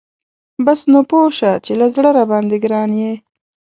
بس نو پوه شه چې له زړه راباندی ګران یي .